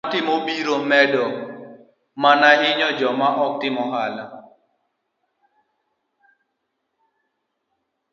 chulo osuru ne joma timo ohala matin biro medo mana hinyo joma timo ohala